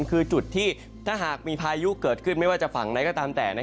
คือจุดที่ถ้าหากมีพายุเกิดขึ้นไม่ว่าจะฝั่งไหนก็ตามแต่